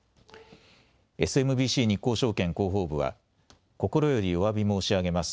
ＳＭＢＣ日興證券広報部は心よりおわび申し上げます。